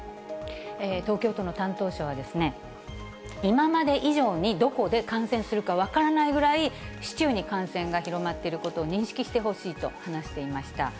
東京都の担当者は、今まで以上にどこで感染するか分からないぐらい、市中に感染が広まっていることを認識してほしいと話していました。